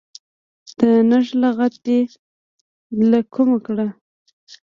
د نږه لغت دي له کومه کړ.